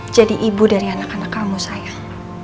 jadi ibu dari anak anak kamu sayang